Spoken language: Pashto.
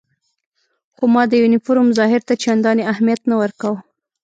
خو ما د یونیفورم ظاهر ته چندانې اهمیت نه ورکاوه.